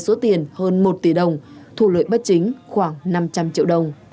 số tiền hơn một tỷ đồng thu lợi bất chính khoảng năm trăm linh triệu đồng